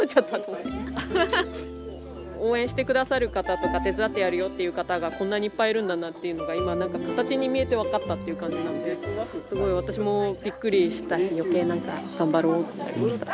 応援してくださる方とか手伝ってやるよっていう方がこんなにいっぱいるんだなっていうのが今なんか形に見えて分かったっていう感じなんですごい私もびっくりしたし余計なんか頑張ろうってなりました。